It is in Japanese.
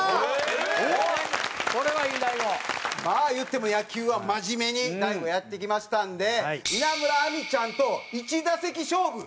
まあいっても野球は真面目に大悟やってきましたんで稲村亜美ちゃんと１打席勝負。